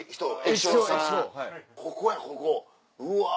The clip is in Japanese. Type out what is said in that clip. ここやここうわ。